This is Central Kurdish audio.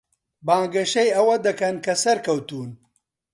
بانگەشەی ئەوە دەکەن کە سەرکەوتوون.